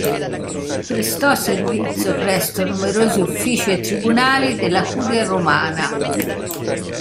Prestò servizio presso numerosi uffici e tribunali della Curia romana.